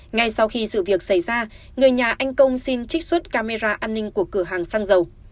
ngay sau khi sự việc xảy ra người nhà anh công xin trích xuất camera an ninh của cửa hàng xăng dầu